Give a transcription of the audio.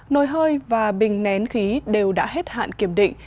nồi hơi và bình nén khí đều đã hết hạn kiểm định